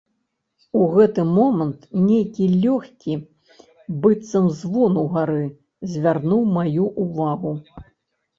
У гэты момант нейкі лёгкі быццам звон угары звярнуў маю ўвагу.